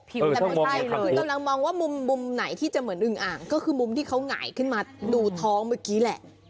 แต่ไม่ใช่คือกำลังมองว่ามุมไหนที่จะเหมือนอึงอ่างก็คือมุมที่เขาหงายขึ้นมาดูท้องเมื่อกี้แหละ